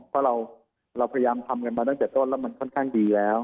เพราะเราพยายามทำกันมาตั้งแต่ต้นแล้วมันค่อนข้างดีแล้ว